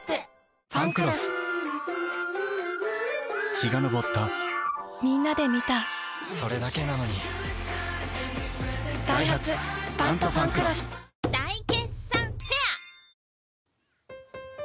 陽が昇ったみんなで観たそれだけなのにダイハツ「タントファンクロス」大決算フェア